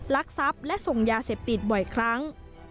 ลักทรัพย์และส่งยาเสพติดบ่อยครั้ง